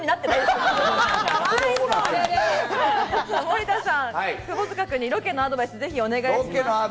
森田さん、窪塚君にロケのアドバイス、ぜひお願いします。